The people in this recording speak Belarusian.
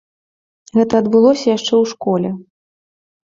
Гэта адбылося яшчэ ў школе.